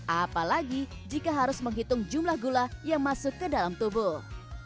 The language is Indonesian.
apalagi jika harus menghitung jumlah gula yang masuk ke dalam tubuh